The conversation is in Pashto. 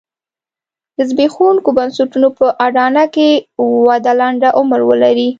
د زبېښونکو بنسټونو په اډانه کې وده لنډ عمر ولري.